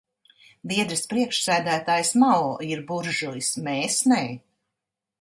Biedrs priekšsēdētājs Mao ir buržujs, mēs nē.